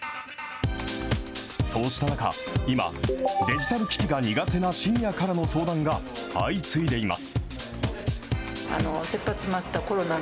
そうした中、今、デジタル機器が苦手なシニアからの相談が相次いでいます。